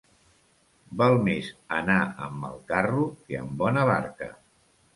Val més anar amb mal carro que amb bona barca.